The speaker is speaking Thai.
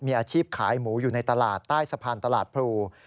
มีอาชีพขายหมูอยู่ในตลาดใต้สะพานตลาดพลู